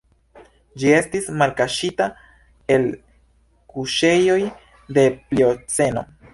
Ĝi estis malkaŝita el kuŝejoj de Plioceno.